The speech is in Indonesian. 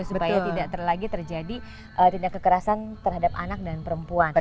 supaya tidak lagi terjadi tindak kekerasan terhadap anak dan perempuan